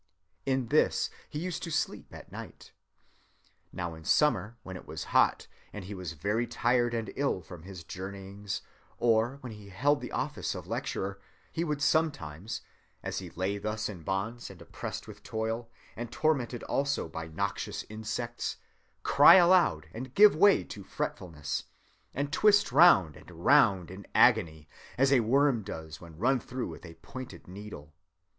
In this he used to sleep at night. Now in summer, when it was hot, and he was very tired and ill from his journeyings, or when he held the office of lecturer, he would sometimes, as he lay thus in bonds, and oppressed with toil, and tormented also by noxious insects, cry aloud and give way to fretfulness, and twist round and round in agony, as a worm does when run through with a pointed needle.